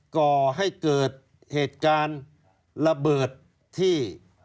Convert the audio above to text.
ก่อให้เกิดเหตุการณ์ระเบิดที่